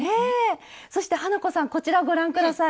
そして花子さんこちらご覧下さい。